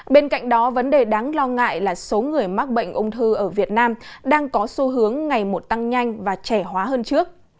bên cạnh đó vấn đề đáng lo ngại là số người mắc bệnh ung thư ở việt nam đang có xu hướng ngày một tăng nhanh và trẻ hóa hơn trước